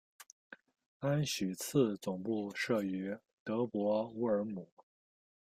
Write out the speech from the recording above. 安许茨总部设于德国乌尔姆。